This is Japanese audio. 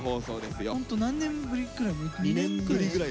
ホント何年ぶりくらい？